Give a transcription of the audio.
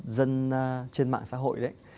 dân trên mạng xã hội đấy